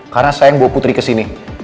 karena saya yang bawa putri ke sini